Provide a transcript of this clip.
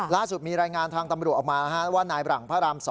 ล่าสุดมีรายงานทางตำรวจออกมาว่านายบรังพระราม๒